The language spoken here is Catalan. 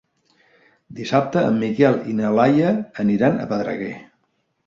Dissabte en Miquel i na Laia aniran a Pedreguer.